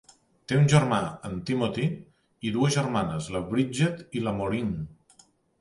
Té un germà, en Timothy, i dues germanes, la Bridget i la Maureen.